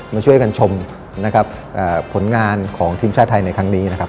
มาช่วยกันชมนะครับผลงานของทีมชาติไทยในครั้งนี้นะครับ